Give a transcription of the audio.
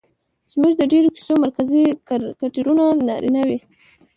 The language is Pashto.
زموږ د ډېرو کيسو مرکزي کرکټرونه نارينه وي